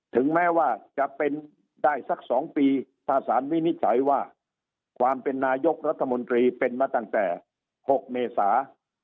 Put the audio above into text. ถึงแม้ว่าจะเป็นได้สัก๒ปีถ้าสารวินิจฉัยว่าความเป็นนายกรัฐมนตรีเป็นมาตั้งแต่๖เมษา